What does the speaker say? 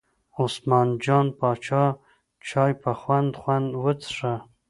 عثمان جان پاچا چای په خوند خوند وڅښه.